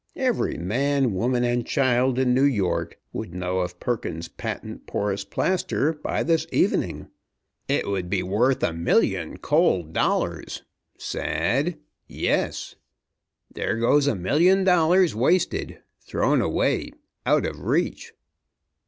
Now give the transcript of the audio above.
Every man, woman, and child in New York would know of Perkins's Patent Porous Plaster by this evening! It would be worth a million cold dollars! Sad? Yes! There goes a million dollars wasted, thrown away, out of reach!"